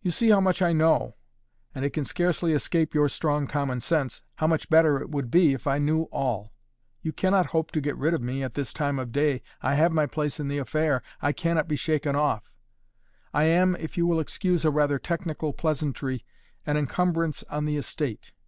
You see how much I know; and it can scarcely escape your strong common sense, how much better it would be if I knew all. You cannot hope to get rid of me at this time of day, I have my place in the affair, I cannot be shaken off; I am, if you will excuse a rather technical pleasantry, an encumbrance on the estate.